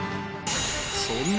［そんな］